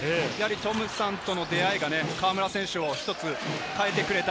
ホーバスさんとの出会いが河原選手を一つ変えてくれた。